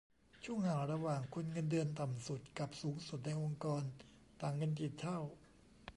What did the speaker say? ช่วงห่างระหว่างคนเงินเดือนต่ำสุดกับสูงสุดในองค์กรต่างกันกี่เท่า